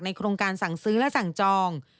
โครงการสั่งซื้อและสั่งจอง